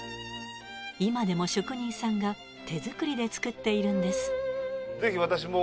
今でも職人さんが手作りで作っているんです。